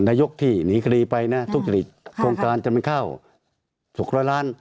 นายกที่หนีคลีไปน่ะทุกข์จริตค่ะโครงการจำไม่เข้าหกร้อยล้าน